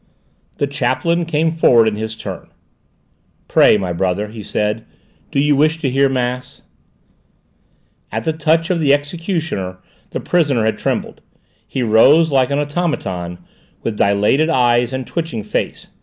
The chaplain came forward in his turn. "Pray, my brother," he said; "do you wish to hear mass?" At the touch of the executioner the prisoner had trembled; he rose, like an automaton, with dilated eyes and twitching face.